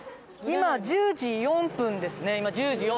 今１０時４分で。